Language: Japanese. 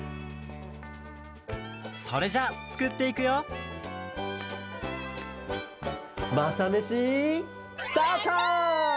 それじゃあつくっていくよ「マサメシ」。